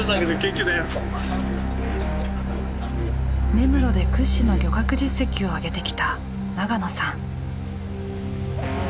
根室で屈指の漁獲実績をあげてきた長野さん。